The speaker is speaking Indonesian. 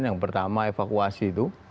yang pertama evakuasi itu